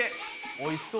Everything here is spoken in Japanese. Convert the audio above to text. おいしそう。